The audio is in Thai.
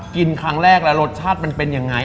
กินครั้งแรกแล้วรสชาติมันเป็นยังไง